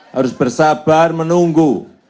harus bersabar menunggu